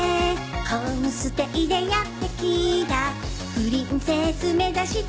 「ホームステイでやって来た」「プリンセスめざして」